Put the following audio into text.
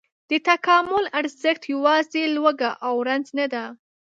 د تکامل ارزښت یواځې لوږه او رنځ نه دی.